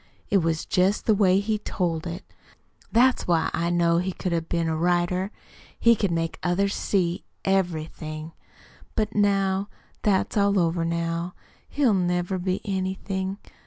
It was just the way he told it. That's why I know he could have been a writer. He could make others see everything. But now that's all over now. He'll never be anything.